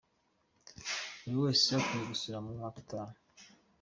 buri wese akwiye gusura mu mwaka utaha.